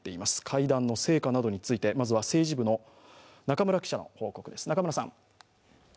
会談の成果などについて、まずは政治部の中村記者の報告です。